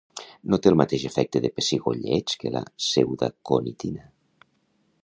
No té el mateix efecte de pessigolleig que la pseudaconitina.